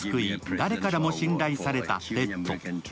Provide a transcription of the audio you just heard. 誰からも信頼されたテッド。